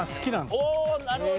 おおなるほど。